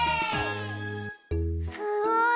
すごい！